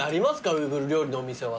ウイグル料理のお店は。